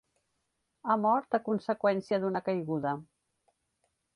Ha mort a conseqüència d'una caiguda.